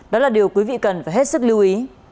đó là điều quý vị cần phải hết sức lưu ý